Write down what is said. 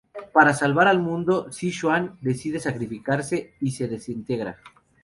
Para salvar al mundo Zi Xuan decide sacrificarse y se desintegra.